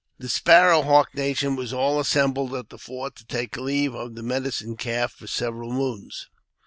THE Sparrowhawk nation was all assembled at the fort, to take leave of the Medicine Calf for several moons.